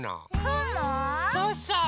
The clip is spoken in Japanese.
そうそう。